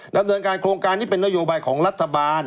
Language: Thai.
ดำเนินการโครงการนี้เป็นนโยบายของรัฐบาล